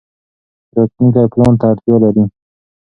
راتلونکی پلان ته اړتیا لري.